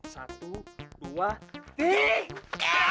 satu dua tiga